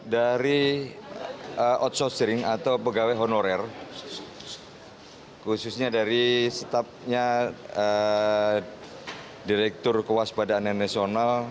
dari outsourcing atau pegawai honorer khususnya dari staffnya direktur kewas padaan nasional